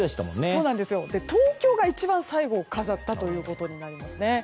東京が一番最後を飾ったということになりますね。